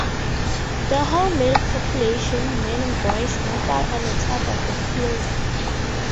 The whole male population, men and boys, mustered on the top of the hill.